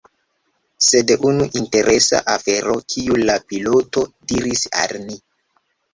Sed unu Interesa afero kiu la piloto diris al ni.